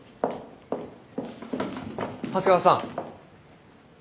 長谷川さん。